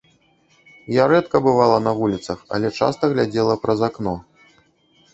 Я рэдка бывала на вуліцах, але часта глядзела праз акно.